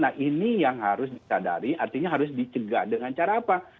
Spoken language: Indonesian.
nah ini yang harus disadari artinya harus dicegah dengan cara apa